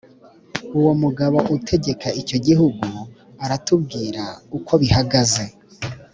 uwo mugabo utegeka icyo gihugu aratubwira ukobihagaze.